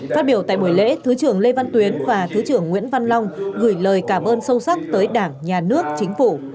phát biểu tại buổi lễ thứ trưởng lê văn tuyến và thứ trưởng nguyễn văn long gửi lời cảm ơn sâu sắc tới đảng nhà nước chính phủ